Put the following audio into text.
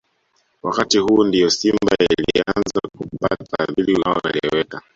Wakati huu ndio Simba ilianza kupata ufadhili unaoeleweka